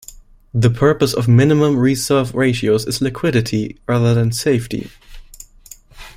The purpose of minimum reserve ratios is liquidity rather than safety.